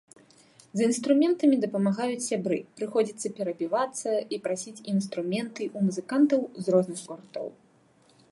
З інструментамі дапамагаюць сябры, прыходзіцца перабівацца і прасіць інструменты ў музыкантаў з розных гуртоў.